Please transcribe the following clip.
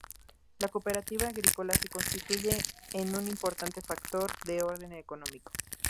La Cooperativa Agrícola se constituye en un importante factor de orden económico.